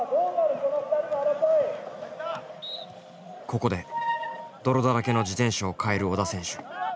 ここで泥だらけの自転車を換える織田選手。